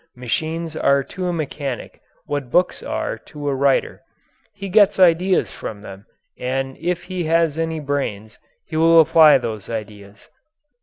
Machines are to a mechanic what books are to a writer. He gets ideas from them, and if he has any brains he will apply those ideas.